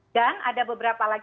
dan ada beberapa lagi